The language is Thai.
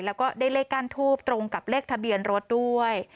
แล้วก็ได้เลขก้านทูบตรงกับเลขทะเบียนรถด้วย